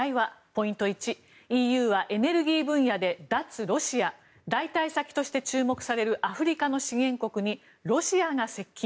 ポイント１、ＥＵはエネルギー分野で脱ロシア代替先として注目されるアフリカの資源国にロシアが接近。